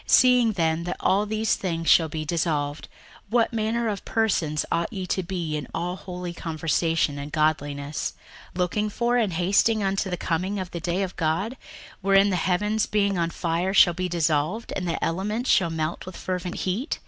61:003:011 Seeing then that all these things shall be dissolved, what manner of persons ought ye to be in all holy conversation and godliness, 61:003:012 Looking for and hasting unto the coming of the day of God, wherein the heavens being on fire shall be dissolved, and the elements shall melt with fervent heat?